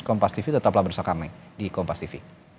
kompastv tetaplah bersama kami di kompastv